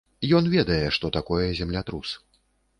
Ён ведае, што такое землятрус.